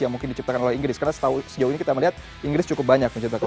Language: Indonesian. yang mungkin diciptakan oleh inggris karena sejauh ini kita melihat inggris cukup banyak mencetak go